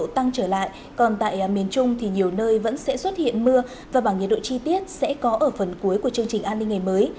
tại miền trung thì nhiều nơi vẫn sẽ xuất hiện mưa và bảng nhiệt độ chi tiết sẽ có ở phần cuối của chương trình an ninh ngày mới